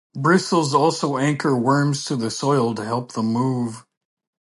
Bristles also anchor worms to the soil to help them move.